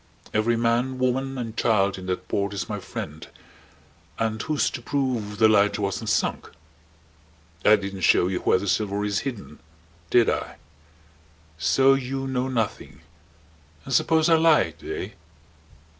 Every man, woman, and child in that port is my friend. And who's to prove the lighter wasn't sunk? I didn't show you where the silver is hidden. Did I? So you know nothing. And suppose I lied? Eh?"